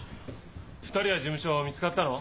２人は事務所見つかったの？